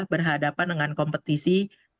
berhadapan dengan kompetisi